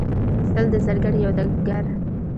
سل د زرګر یو دګګر.